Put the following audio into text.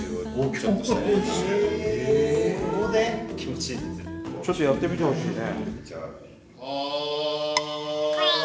ちょっとやってみてほしいね。